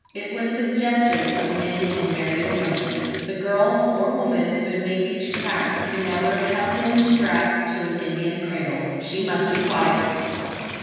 It was suggestive of many and varied emotions. The girl or woman who had made these tracks could never have been strapped to an Indian cradle. She must be white!